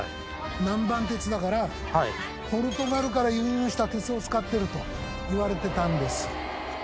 南蛮鉄だからポルトガルから輸入した鉄を使ってるといわれてたんです。